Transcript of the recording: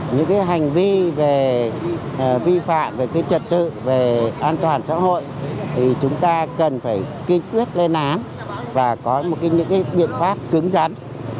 những cái hành vi về vi phạm về cái trật tự về an toàn xã hội thì chúng ta cần phải kiên quyết lên án và có một cái những cái biện pháp cứng rắn